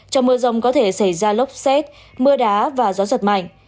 trong mưa rông có thể xảy ra lốc xét mưa đá và gió giật mạnh